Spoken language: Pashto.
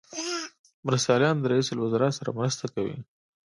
مرستیالان د رئیس الوزرا سره مرسته کوي